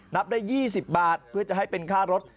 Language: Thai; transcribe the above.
นับได้๒๐บาทเพื่อจะให้เป็นค่ารถ